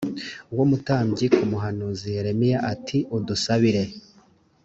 w umutambyi ku muhanuzi yeremiya ati udusabire